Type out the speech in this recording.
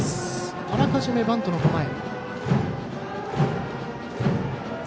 あらかじめ、バントの構え。